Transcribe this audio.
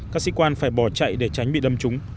các sĩ quan phải bỏ chạy để tránh bị đâm trúng